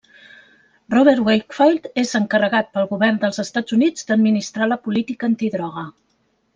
Robert Wakefield és encarregat pel govern dels Estats Units d'administrar la política antidroga.